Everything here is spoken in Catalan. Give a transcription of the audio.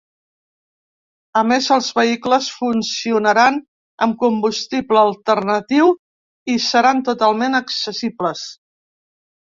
A més, els vehicles funcionaran amb combustible alternatiu i seran totalment accessibles.